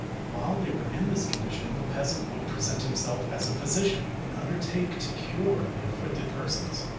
While they were in this condition the peasant would present himself as a physician and undertake to cure the afflicted persons.